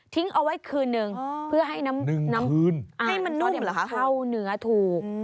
ทิ้งเอาไว้คืนหนึ่งเพื่อให้น้ำอ่านเข้าเนื้อถูก